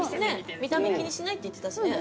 見た目気にしないって言ってたしね。